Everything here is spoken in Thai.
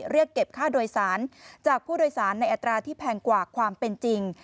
เรียกเก็บค่าโดยสารจากผู้โดยสารในอัตราที่แพงกว่าความเป็นจริง